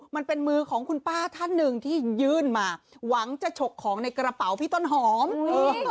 มันเป็นมือของคุณป้าท่านหนึ่งที่ยื่นมาหวังจะฉกของในกระเป๋าพี่ต้นหอมเออ